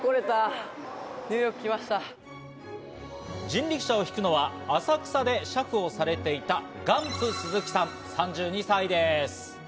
人力車を引くのは浅草で俥夫をされていたガンプ鈴木さん、３２歳です。